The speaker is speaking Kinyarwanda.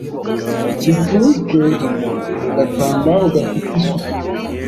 Dupfunyike mu gatambaro gafite isuku